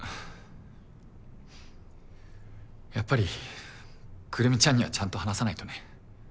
やっぱりくるみちゃんにはちゃんと話さないとね。